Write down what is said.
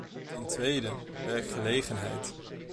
Ten tweede: werkgelegenheid.